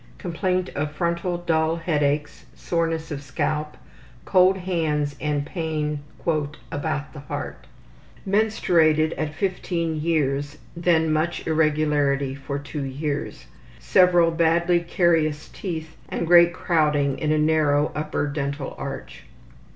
Complaint of frontal dull headaches, soreness of scalp, cold hands and pain ``about the heart.'' Menstruated at 15 years, then much irregularity for two years. Several badly carious teeth and great crowding in a narrow upper dental arch.